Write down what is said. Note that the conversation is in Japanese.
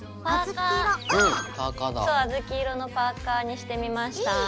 あずき色のパーカーにしてみました。